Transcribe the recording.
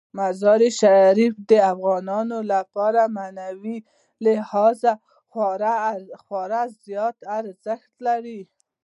مزارشریف د افغانانو لپاره په معنوي لحاظ خورا زیات ارزښت لري.